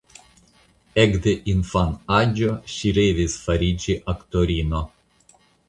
Ekde infanaĝo ŝi revis fariĝi aktorino.